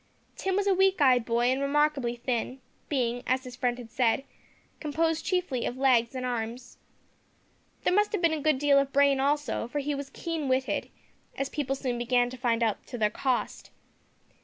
Tim was a weak eyed boy, and remarkably thin, being, as his friend had said, composed chiefly of legs and arms. There must have been a good deal of brain also, for he was keen witted, as people soon began to find out to their cost.